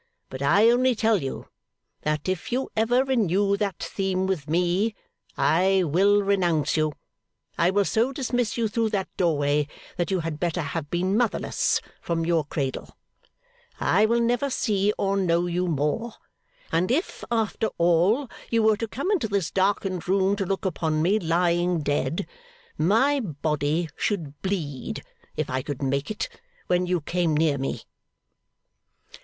But I only tell you that if you ever renew that theme with me, I will renounce you; I will so dismiss you through that doorway, that you had better have been motherless from your cradle. I will never see or know you more. And if, after all, you were to come into this darkened room to look upon me lying dead, my body should bleed, if I could make it, when you came near me.